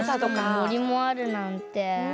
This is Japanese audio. もりもあるなんて。